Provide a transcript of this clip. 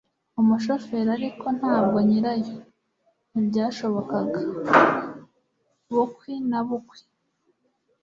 umushoferi ariko ntabwo nyirayo! ntibyashobokaga. bukwi na bukwi